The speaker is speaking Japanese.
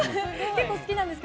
結構好きなんです。